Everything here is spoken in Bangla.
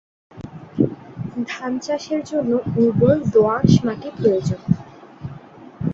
ধানচাষের জন্য উর্বর দোআঁশ মাটি প্রয়ােজন।